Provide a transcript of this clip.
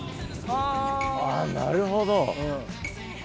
あなるほど。